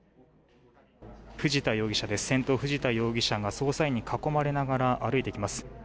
先頭、藤田容疑者が捜査員に囲まれながら歩いてきます。